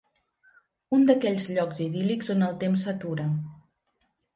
Un d'aquells llocs idíl·lics on el temps s'atura.